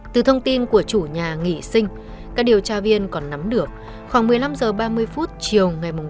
từ thông tin của chủ nhà nghỉ sinh các điều tra viên còn nắm được khoảng một mươi năm giờ ba mươi phút chiều ngày